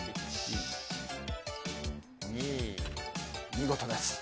見事です。